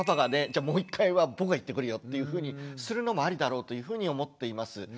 じゃあ「もう１回は僕が行ってくるよ」っていうふうにするのもアリだろうというふうに思っています。